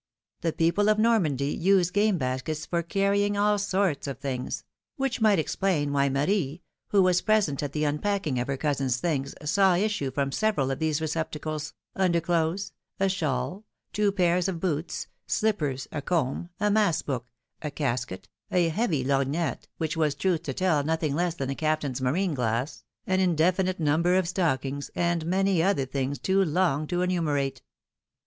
the people of Normandy use game baskets for carrying all sorts of things; which might explain why Marie, who was present at the unpacking of her cousin's things, saw issue from several of these receptacles, under clothes, a shawl, two pairs of boots, slippers, a comb, a mass book, a casket, a heavy lorgnette, wliich was, truth to tell, nothing less than the Captain's marine glass, an indefinite number of stockings, and many other things too long to enumerate.